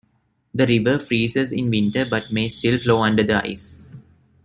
The river freezes in winter but may still flow under the ice.